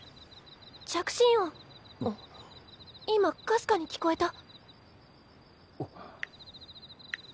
着信音今かすかに聞こえた。